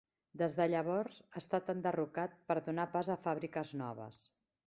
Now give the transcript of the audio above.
Des de llavors, ha estat enderrocat per donar pas a fàbriques noves.